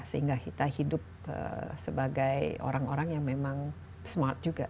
sehingga kita hidup sebagai orang orang yang memang smart juga